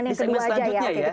di segmen selanjutnya ya